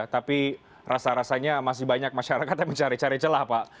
tapi rasa rasanya masih banyak masyarakat yang mencari cari celah pak